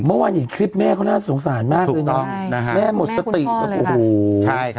เมื่อวานอย่างนี้คลิปแม่ได้น่าสงสารมากเลยเนี่ย